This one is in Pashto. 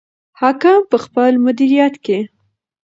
حاکم په خپل مدیریت کې.